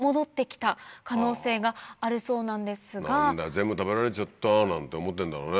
「全部食べられちゃったぁ」なんて思ってんだろうね。